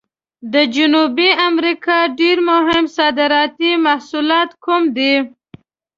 د جنوبي امریکا ډېر مهم صادراتي محصولات کوم دي؟